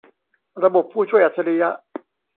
ระบบผู้ช่วยอัจฉริยะ